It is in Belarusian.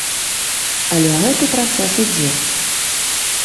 Але гэты працэс ідзе.